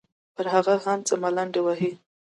پر هر هغه څه ملنډې وهي.